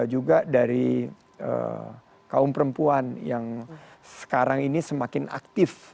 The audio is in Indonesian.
juga dari kaum perempuan yang sekarang ini semakin aktif